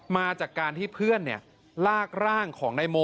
มาจากการที่เพื่อนลากร่างของนายโม